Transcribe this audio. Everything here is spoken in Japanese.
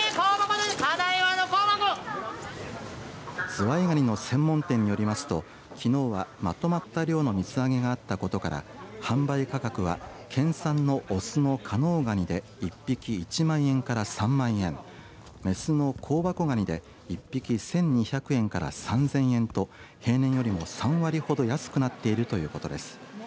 ズワイガニの専門店によりますときのうはまとまった量の水揚げがあったことから販売価格は県産の雄の加能がにで１匹１万円から３万円雌の香箱がにで１匹１２００円から３０００円と平年よりも３割ほど安くなっているということです。